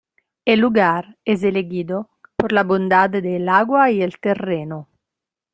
El lugar es elegido por la bondad del agua y el terreno.